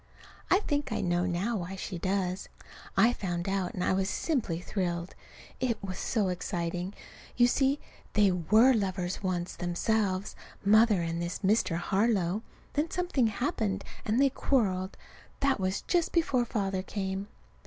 I think I know now why she does. I found out, and I was simply thrilled. It was so exciting! You see, they were lovers once themselves Mother and this Mr. Harlow. Then something happened and they quarreled. That was just before Father came.